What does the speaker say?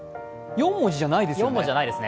４文字じゃないですよ。